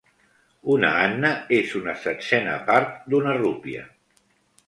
Una anna és una setzena part d'una rupia.